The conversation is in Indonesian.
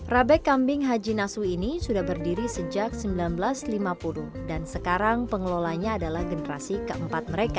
rabe kambing haji nasu ini sudah berdiri sejak seribu sembilan ratus lima puluh dan sekarang pengelolanya adalah generasi keempat mereka